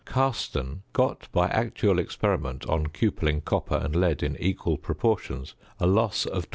Karsten got by actual experiment on cupelling copper and lead in equal proportions, a loss of 21.